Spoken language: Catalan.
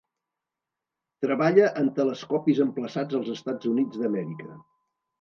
Treballa en telescopis emplaçats als Estats Units d'Amèrica.